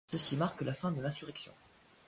Ceci marque la fin de l'insurrection.